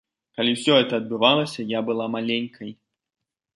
Калі ўсё гэта адбывалася, я была маленькай.